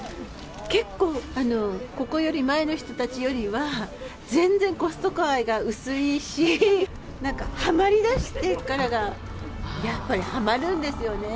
結構、ここより前の人たちよりは、全然コストコ愛が薄いし、なんかはまりだしてからが、やっぱり、はまるんですよね。